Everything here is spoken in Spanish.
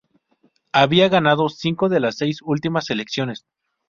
Habían ganado cinco de las seis últimas elecciones.